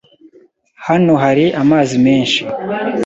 Hano hari amazi menshi.